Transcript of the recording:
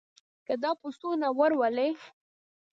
که دا پسونه ور ولې.